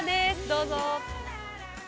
どうぞ。